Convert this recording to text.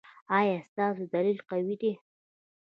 ایا ستاسو دلیل قوي دی؟